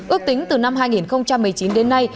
ước tính từ năm hai nghìn một mươi chín đến nay